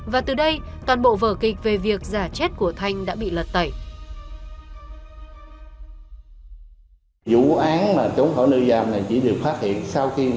và từ đây toàn bộ vở kịch về việc giả chết của thanh đã bị lật tẩy